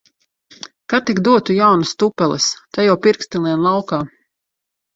Ka tik dotu jaunas tupeles! Te jau pirksti liek laukā.